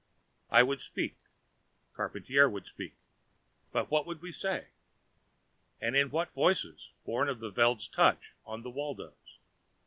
I would speak and Charpantier would speak, but what would we say? And in what voices, born of the Veld's touch on the Waldos?